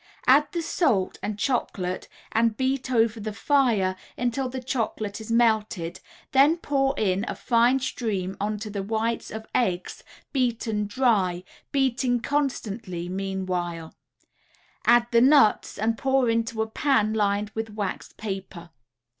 Add the salt and chocolate and beat over the fire, until the chocolate is melted, then pour in a fine stream onto the whites of eggs, beaten dry, beating constantly meanwhile; add the nuts and pour into a pan lined with waxed paper.